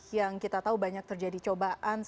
yang kita tahu banyak terjadi cobaan